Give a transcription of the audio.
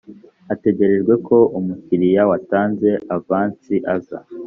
hategerejwe ko umukiriya watanze avansi aza